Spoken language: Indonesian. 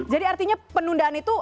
jadi artinya penundaan itu